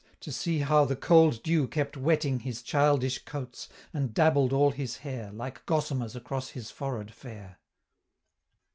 to see how the cold dew kept wetting His childish coats, and dabbled all his hair, Like gossamers across his forehead fair."